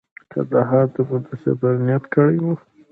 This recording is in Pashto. کندهار ته مو د سفر نیت کړی و.